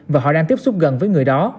và họ đang tiếp xúc gần với người đó